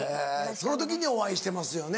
その時にお会いしてますよね。